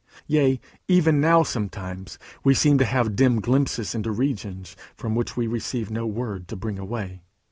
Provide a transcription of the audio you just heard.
Yea, even now sometimes we seem to have dim glimpses into regions from which we receive no word to bring away.